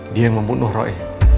dia yang membunuh roy